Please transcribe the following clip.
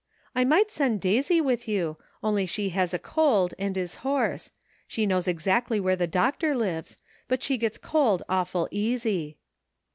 I might send Daisy with you, onh' she has a cold and is hoarse ; she knows exactly where the doctor lives, but she gets cold awful easy."